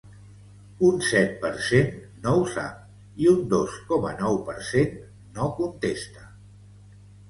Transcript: Un set per cent no ho sap i un dos coma nou per cent no contesta.